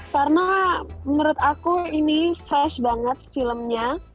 karena menurut aku ini fresh banget filmnya